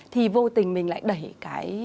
thì vô tình mình lại đẩy cái